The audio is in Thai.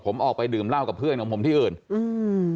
ผมออกไปดื่มเหล้ากับเพื่อนของผมที่อื่นอืม